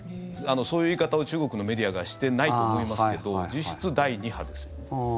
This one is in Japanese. そういう言い方を中国のメディアがしてないと思いますけど実質、第２波です。